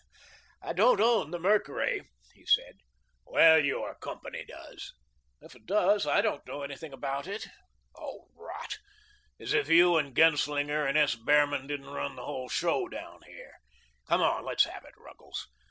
"I don't own the 'Mercury,'" he said. "Well, your company does." "If it does, I don't know anything about it." "Oh, rot! As if you and Genslinger and S. Behrman didn't run the whole show down here. Come on, let's have it, Ruggles.